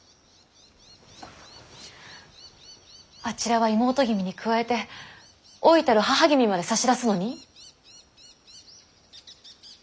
あちらは妹君に加えて老いたる母君まで差し出すのに？